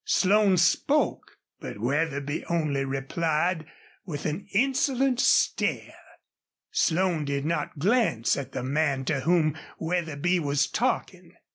Slone spoke, but Wetherby only replied with an insolent stare. Slone did not glance at the man to whom Wetherby was talking.